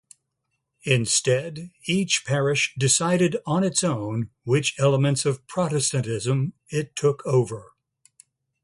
Instead, each parish decided on its own which elements of Protestantism it took over.